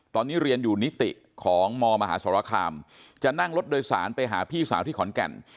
ตอนนี้เรียนอยู่นิติของมมหาสรคามจะนั่งรถโดยสารไปหาพี่สาวที่ขอนแก่น